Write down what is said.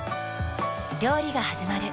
料理がはじまる。